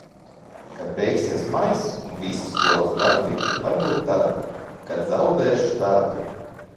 Kad beigsies maijs un visi skolas darbi, varbūt tad. Kad zaudēšu darbu.